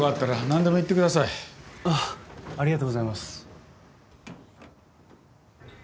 ありがとうございます。